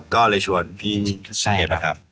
ก็เลยชวนพี่เด็กครับ